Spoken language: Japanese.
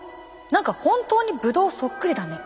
何か本当にブドウそっくりだね。